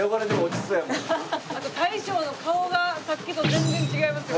あと大将の顔がさっきと全然違いますよ。